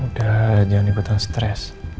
udah jangan ikutan stres